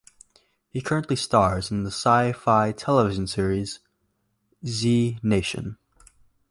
He currently stars in the Syfy television series "Z Nation".